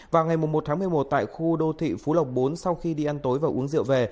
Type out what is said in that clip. vào ngày một tháng một mươi một tại khu đô thị phú lộc bốn sau khi đi ăn tối và uống rượu về